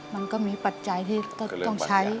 มันก็มีปัจจัยที่ต้องใช้